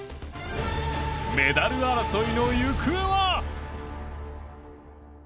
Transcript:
メダル争いの行方は。